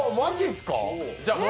マジっスか。